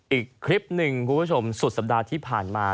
อีกคลิปหนึ่งคุณผู้ชมสุดสัปดาห์ที่ผ่านมา